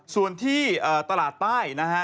ส่วนที่ตลาดใต้นะฮะ